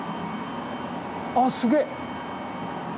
ああすげえ！